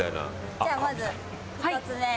じゃあまず１つ目。